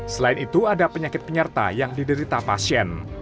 selain itu ada penyakit penyerta yang diderita pasien